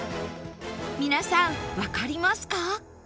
皆さんわかりますか？